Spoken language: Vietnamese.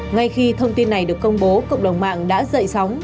ngay khi thông tin này được công bố cộng đồng mạng đã dậy sóng